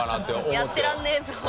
やってらんねえぞって？